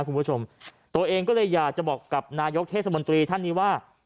คุณผู้ชมตัวเองก็เลยอยากจะบอกกับนายกเทศมนตรีท่านนี้ว่า